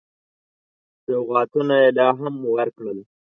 سوغاتونه یې لا هم ورکړل.